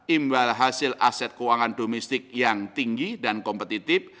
imbal hasil aset keuangan domestik yang tinggi dan kompetitif